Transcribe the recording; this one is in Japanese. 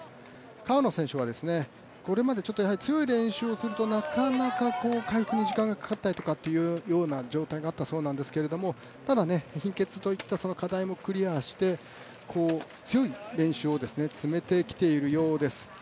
川野選手は、これまで強い練習をするとなかなか回復に時間がかかったりとかいう状態があったそうなんですけれども、ただ、貧血といった課題もクリアして、強い練習を積めてきているようです。